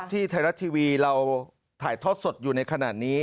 ที่ไทยรัฐทีวีเราถ่ายทอดสดอยู่ในขณะนี้